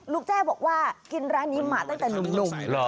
แจ้บอกว่ากินร้านนี้มาตั้งแต่หนุ่ม